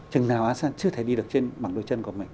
chừng nào asean chưa thể đi được trên bảng đôi chân của mình